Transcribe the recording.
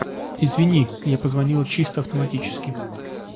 Извини, я позвонила чисто автоматически.